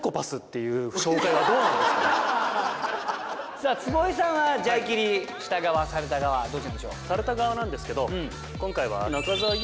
さあ坪井さんはジャイキリした側された側どちらでしょう？